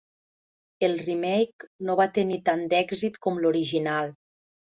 El remake no va tenir tant d'èxit com l'original.